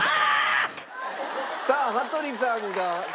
さあ羽鳥さんが先？